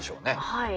はい。